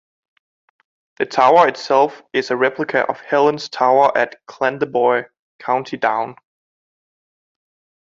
The tower itself is a replica of Helen's Tower at Clandeboye, County Down.